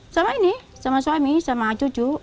sama ini sama suami sama cucu